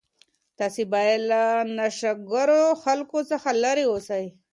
تاسي باید له ناشکرو خلکو څخه لیري اوسئ.